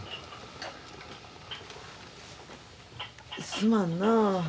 すまんな。